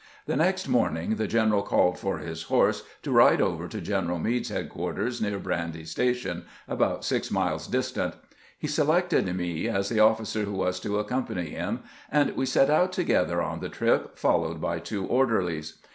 The next morning the general called for his horse, to ride over to General Meade's headquarters, near Brandy Station, about six miles distant. He selected me as the officer who was to accompany him, and we set out to gether on the trip, followed by two orderlies.